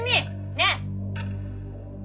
ねえ！